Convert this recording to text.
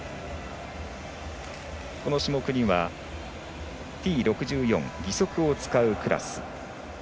この種目には、Ｔ６４義足を使うクラス。